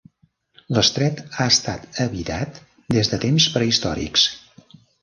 L'estret ha estat habitat des de temps prehistòrics.